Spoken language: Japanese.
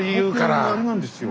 僕あれなんですよ。